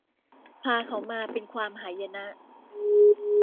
พาเขามาเป็นความหายนะ